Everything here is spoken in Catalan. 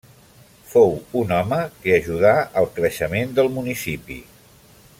Fou un home que ajudà al creixement del municipi.